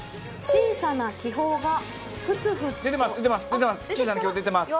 小さな気泡出てます！